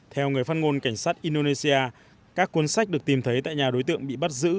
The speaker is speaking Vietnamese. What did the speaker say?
theo người phát ngôn cảnh sát indonesia các cuốn sách được tìm thấy tại nhà đối tượng bị bắt giữ